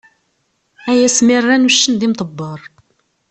Ay asmi rran uccen d imḍebber!